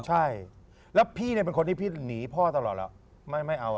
ใช่แล้วพี่เนี่ยเป็นคนที่พี่หนีพ่อตลอดแล้วไม่เอา